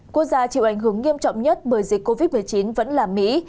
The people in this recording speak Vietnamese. quốc gia chịu ảnh hưởng nghiêm trọng nhất bởi dịch covid một mươi chín vẫn là mỹ